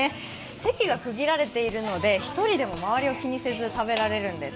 席が区切られているので１人でも周りを気にせず食べられます。